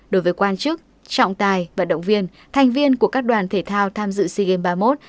đối với quan chức trọng tài vận động viên thành viên của các đoàn thể thao tham dự sea games ba mươi một